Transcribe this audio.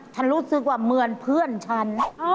ฉันรู้สึกว่าเหมือนเพื่อนฉัน